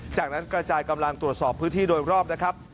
จากนั้นกระจายกำลังตรวจสอบพื้นที่โดยรอบนะครับ